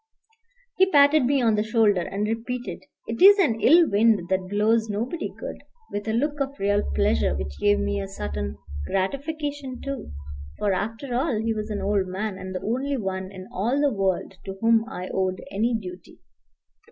He patted me on the shoulder, and repeated, "It is an ill wind that blows nobody good," with a look of real pleasure which gave me a certain gratification too; for, after all, he was an old man, and the only one in all the world to whom I owed any duty.